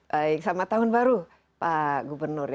baik selamat tahun baru pak gubernur ya